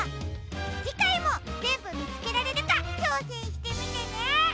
じかいもぜんぶみつけられるかちょうせんしてみてね！